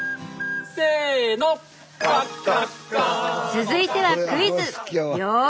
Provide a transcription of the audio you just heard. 続いてはクイズ！